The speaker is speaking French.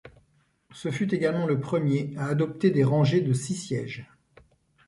Ce fut également le premier à adopter des rangées de six sièges.